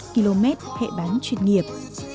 hai mươi một km hệ bán chuyên nghiệp